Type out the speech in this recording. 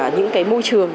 những cái môi trường